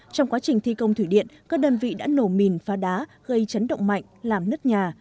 trong quá trình thi công thủy điện các đơn vị đã nổ mìn phá đá gây chấn động mạnh làm nứt nhà